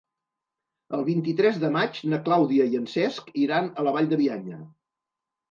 El vint-i-tres de maig na Clàudia i en Cesc iran a la Vall de Bianya.